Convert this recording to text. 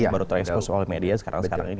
baru ter expose oleh media sekarang sekarang ini